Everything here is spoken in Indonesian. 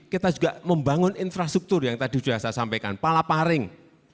kita juga membangun infrastruktur yang tadi sudah saya sampaikan palaparing